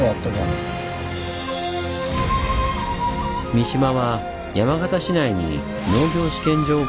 三島は山形市内に農業試験場を建設。